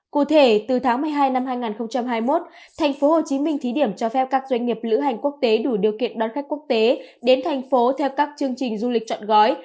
cụ thể từ tháng một mươi hai năm hai nghìn hai mươi một tp hcm thí điểm cho phép các doanh nghiệp lữ hành quốc tế đủ điều kiện đón khách quốc tế đến thành phố theo các chương trình du lịch chọn gói